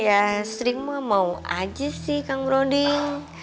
ya serimu mau aja sih kang broding